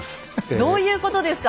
どういうことですか！